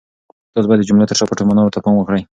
تاسو باید د جملو تر شا پټو ماناوو ته پام وکړئ.